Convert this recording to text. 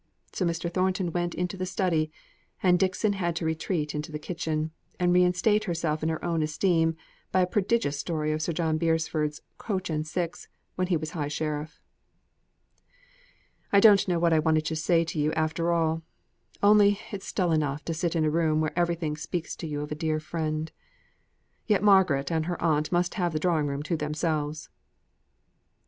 So Mr. Thornton went into the study, and Dixon had to retreat into the kitchen, and reinstate herself in her own esteem by a prodigious story of Sir John Beresford's coach and six, when he was high sheriff. "I don't know what I wanted to say to you after all. Only it's dull enough to sit in a room where everything speaks to you of a dead friend. Yet Margaret and her aunt must have the drawing room to themselves!"